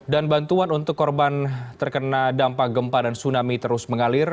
dan bantuan untuk korban terkena dampak gempa dan tsunami terus mengalir